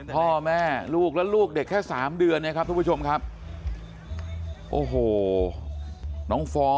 พ่อแม่ลูกแล้วลูกเด็กแค่๓เดือนนะครับอ้าวหัวน้อง